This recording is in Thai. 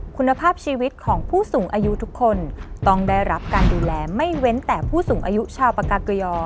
คุณภาพชีวิตของผู้สูงอายุทุกคนต้องได้รับการดูแลไม่เว้นแต่ผู้สูงอายุชาวปากาเกยอ